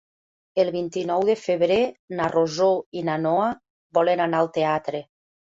El vint-i-nou de febrer na Rosó i na Noa volen anar al teatre.